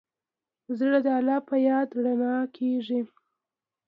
زړه د الله په یاد رڼا کېږي.